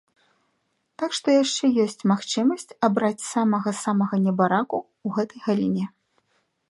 Так што яшчэ ёсць магчымасць абраць самага-самага небараку ў гэтай галіне.